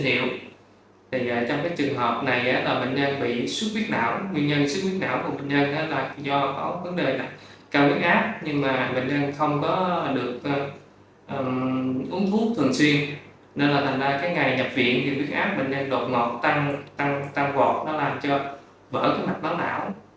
nên là thành ra cái ngày nhập viện thì viết áp bệnh nhân đột ngột tăng tăng gọt nó làm cho vỡ các mặt bóng đảo